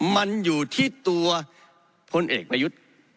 มันอยู่ที่ตัวพลเอกประยุทธ์